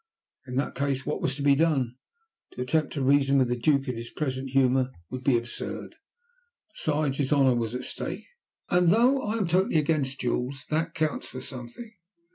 In that case what was to be done? To attempt to reason with the Duke in his present humour would be absurd, besides his honour was at stake, and, though I am totally against duels, that counts for something.